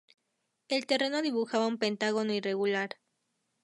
El terreno dibujaba un pentágono irregular.